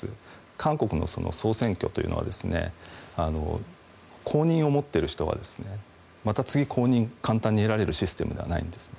韓国の総選挙というのは公認を持っている人がまた次、公認を簡単に得られるシステムではないんですね。